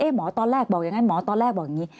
หมอตอนแรกบอกอย่างนั้นหมอตอนแรกบอกอย่างนี้